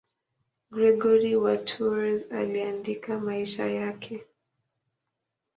Gregori wa Tours aliandika maisha yake.